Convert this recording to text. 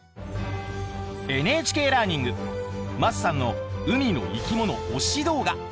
ＮＨＫラーニング桝さんの海の生き物推し動画。